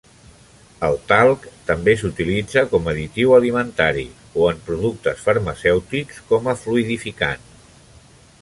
El talc també s'utilitza com additiu alimentari o en productes farmacèutics com a fluïdificant.